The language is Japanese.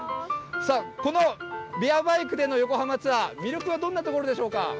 さあ、このビアバイクでの横浜ツアー、魅力はどんなところでしょうか。